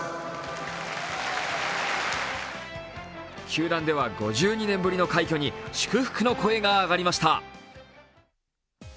球団では５２年ぶりの快挙に祝福の声が上がりました。